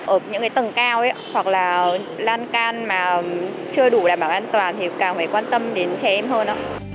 ở những tầng cao hoặc là lan can mà chưa đủ đảm bảo an toàn thì càng phải quan tâm đến trẻ em hơn ạ